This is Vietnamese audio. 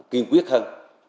kiên quyết hơn